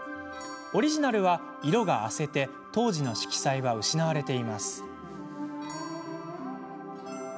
オリジナルは色があせて当時の色彩は失われています。